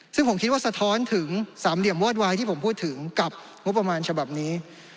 ซึ่งผมคิดว่าสะท้อนถึงสามเหลี่ยมวอดวายที่ผมพูดถึงกับงบประมาณฉบับนี้